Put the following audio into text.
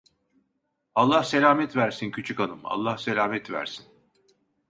Allah selamet versin küçükhanım, Allah selamet versin!